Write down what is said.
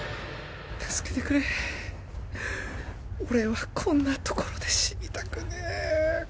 助けてくれ俺はこんなところで死にたくねえ。